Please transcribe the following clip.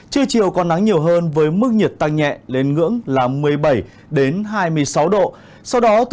trưa chiều còn nắng nhiều hơn với mức nhiệt tăng nhẹ lên ngưỡng là một mươi bảy hai mươi sáu độ